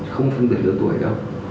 không phân biệt đứa tuổi đâu